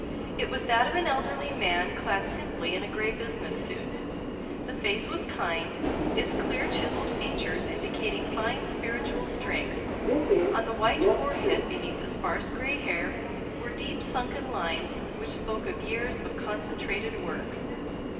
It was that of an elderly man clad simply in a gray business suit. The face was kind, its clear chiselled features indicating fine spiritual strength; on the white forehead beneath the sparse gray hair were deep sunken lines which spoke of years of concentrated work.